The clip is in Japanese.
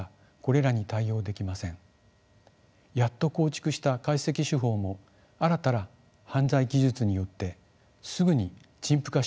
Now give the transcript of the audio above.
やっと構築した解析手法も新たな犯罪技術によってすぐに陳腐化してしまうのです。